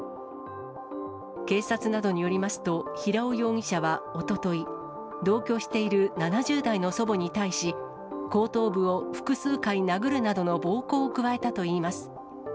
警察などによりますと、平尾容疑者はおととい、同居している７０代の祖母に対し、後頭部を複数回殴るなどの暴行を加えたといいます。